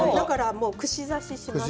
串刺しします。